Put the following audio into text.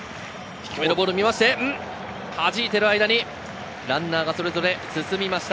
低めのボール見まして、はじいている間にランナーがそれぞれ進みました。